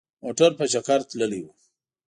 مونږ په چکرتللي وو.